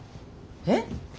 えっ？